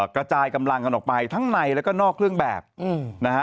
กระจายกำลังกันออกไปทั้งในแล้วก็นอกเครื่องแบบนะฮะ